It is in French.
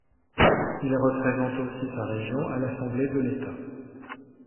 Il représente aussi sa région à l'assemblée de l'État.